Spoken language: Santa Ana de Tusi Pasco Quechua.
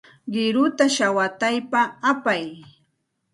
Qiruta shawataypa apay.